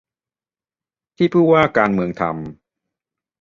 ที่ผู้ว่าการเมืองทำ